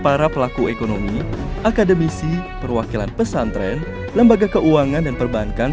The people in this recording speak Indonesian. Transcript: para pelaku ekonomi akademisi perwakilan pesantren lembaga keuangan dan perbankan